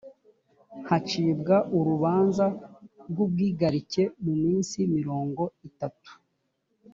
hacibwa urubanza rw’ ubwigarike mu minsi mirongo itatu